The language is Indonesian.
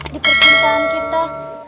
di percintaan kita